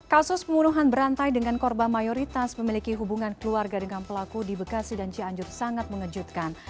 kasus pembunuhan berantai dengan korban mayoritas memiliki hubungan keluarga dengan pelaku di bekasi dan cianjur sangat mengejutkan